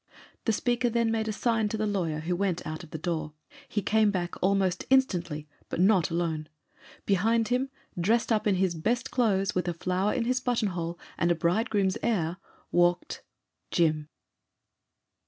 The speaker then made a sign to the lawyer, who went out of the door. He came back almost instantly, but not alone. Behind him, dressed up in his best clothes, with a flower in his buttonhole and a bridegroom's air, walked—Jim.